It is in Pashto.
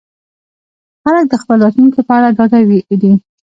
خلک د خپل راتلونکي په اړه ډاډه وي.